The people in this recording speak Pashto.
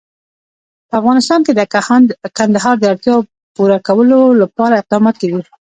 په افغانستان کې د کندهار د اړتیاوو پوره کولو لپاره اقدامات کېږي.